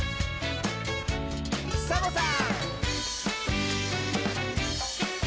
サボさん！